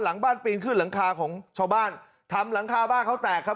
หลังบ้านปีนขึ้นหลังคาของชาวบ้านทำหลังคาบ้านเขาแตกครับ